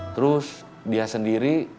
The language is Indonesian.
terus dia sendiri